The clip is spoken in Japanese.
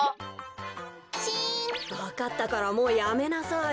わかったからもうやめなさい。